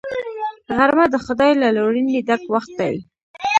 غرمه د خدای له لورینې ډک وخت دی